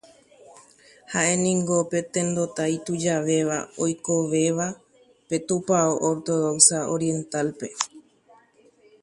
Fue el más anciano de los líderes vivos de la Iglesia Ortodoxa de Oriente.